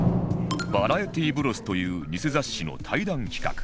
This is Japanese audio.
「バラエティ Ｂｒｏｓ．」というニセ雑誌の対談企画